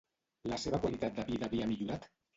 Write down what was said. La seva qualitat de vida havia millorat?